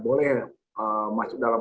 boleh masuk dalam